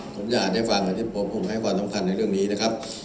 ผมอยากได้ฟังผมให้ความสำคัญในเรื่องนี้นะครับ